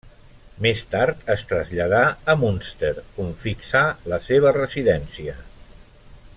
Més tard es traslladà a Munster on fixà la seva residència.